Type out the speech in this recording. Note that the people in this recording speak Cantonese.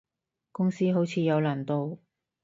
公司好似有難度